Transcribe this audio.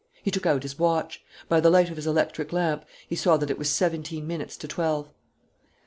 He took out his watch. By the light of his electric lamp he saw that it was seventeen minutes to twelve.